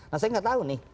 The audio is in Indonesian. nah saya gak tahu nih